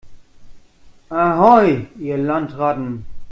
Ahoi, ihr Landratten!